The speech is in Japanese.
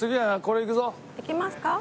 行きますか？